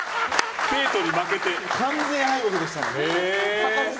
完全敗北でしたね。